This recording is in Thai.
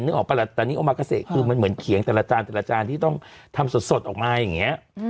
นึกออกปะละตอนนี้อมกษกรุงมันเหมือนเขียงแต่ละจานที่ต้องทำสดออกมาอย่างเงี้ย